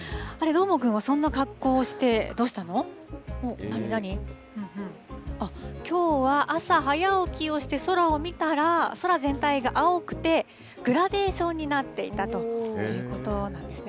うんうん、あっ、きょうは朝、早起きをして、空を見たら、空全体が青くて、グラデーションになっていたということなんですね。